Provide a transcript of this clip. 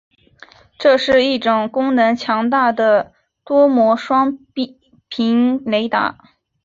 这是一种功能强大的多模双频雷达。